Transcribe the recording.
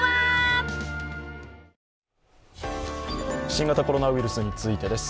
新型コロナウイルスについてです。